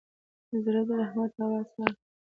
زړه د رحمت هوا ساه اخلي.